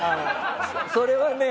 それはね